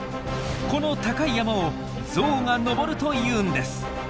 この高い山をゾウが登るというんです。